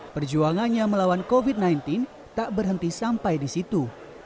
perjuangannya melawan covid sembilan belas tak berhenti sampai di situ